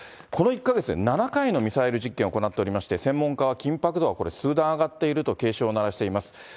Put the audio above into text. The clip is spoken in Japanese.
この１か月で７回のミサイル実験を行っておりまして、専門家は、緊迫度は数段上がっていると警鐘を鳴らしています。